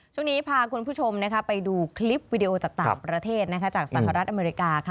ช่วงนี้พาคุณผู้ชมไปดูคลิปวิดีโอจากต่างประเทศจากสหรัฐอเมริกาค่ะ